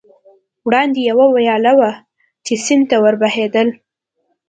وړاندې یوه ویاله وه، چې سیند ته ور بهېدل.